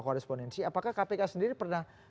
korespondensi apakah kpk sendiri pernah